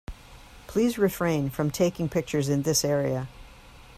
Please refrain from taking pictures in this area.